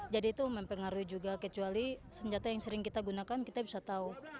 jadi itu mempengaruhi juga kecuali senjata yang sering kita gunakan kita bisa tahu